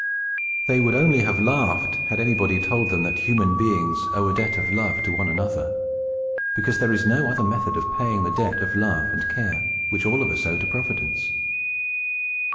They would only have laughed, had anybody told them that human beings owe a debt of love to one another, because there is no other method of paying the debt of love and care which all of us owe to Providence.